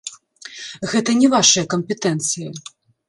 Гэта не вашая кампетэнцыя!